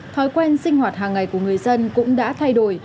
thói quen sinh hoạt hàng ngày của người dân cũng đã thay đổi